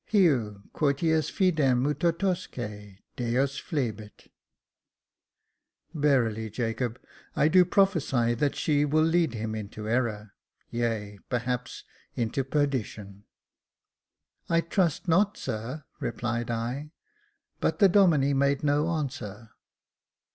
Heu, quoties fidem mutatosque Deos Jlebit ! Verily, Jacob, I do prophesy that she will lead him into error, yea, perhaps into perdition." " I trust not, sir," replied I ; but the Domine made no answer.